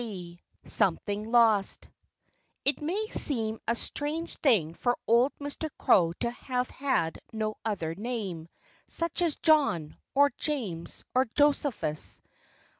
II SOMETHING LOST It may seem a strange thing for old Mr. Crow to have had no other name such as John, or James, or Josephus.